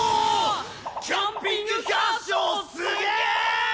キャンピングカーショーすげぇ！